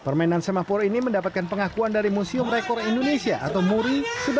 permainan semapur ini mendapatkan pengakuan dari museum rekor indonesia atau muri